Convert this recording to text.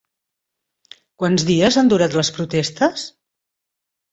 Quants dies han durat les protestes?